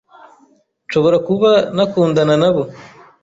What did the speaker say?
nshobora kuba nakundana nabo